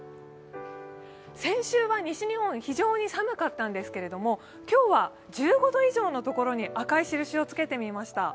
先週は西日本、非常に寒かったんですけど、今日は１５度以上の所に赤い印をつけてみました。